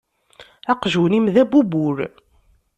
Aqjun-im d abubul.